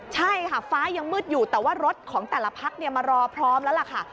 ใช่ค่ะฟ้ายังมืดอยู่แต่ว่ารถของแต่ละพักมารอพร้อมแล้วล่ะค่ะ